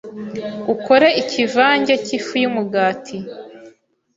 ukore ikivange cy’ifu y’umugati,